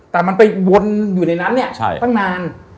แต่มันไปวนอยู่ในนั้นเนี่ยตั้งนาน